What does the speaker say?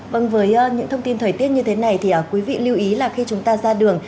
vâng với những thông tin thời tiết như thế này thì quý vị lưu ý là khi chúng ta ra đường